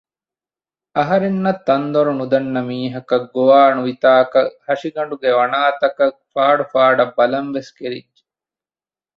އަހަރެންނަށް ތަންދޮރު ނުދަންނަ މީހަކަށް ގޮވާ ނުވިތާކަށް ހަށިގަނޑުގެ ވަނާތަކަށް ފާޑު ފާޑަށް ބަލަންވެސް ކެރިއްޖެ